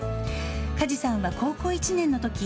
梶さんは高校１年のとき、